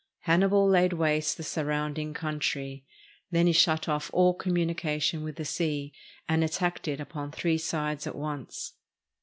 Hannibal laid waste the surrounding coun try. Then he shut off all communication with the sea, and attacked it upon three sides at once.